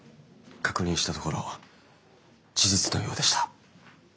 確認したところ事実のようでした。